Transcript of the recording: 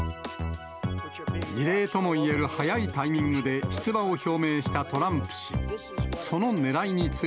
異例ともいえる早いタイミングで出馬を表明したトランプ氏。